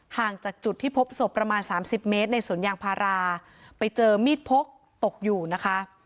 ห่างจากจุดที่พบศพประมาณสามสิบเมตรในสวนยางพาราไปเจอมีดพกตกอยู่นะคะ